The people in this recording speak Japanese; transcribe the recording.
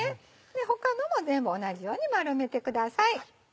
他のも全部同じように丸めてください。